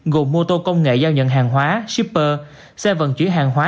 gồm mô tô công nghệ giao nhận hàng hóa shipper xe vận chuyển hàng hóa